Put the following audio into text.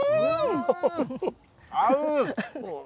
合う！